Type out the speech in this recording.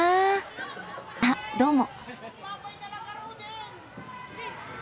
あっどうも。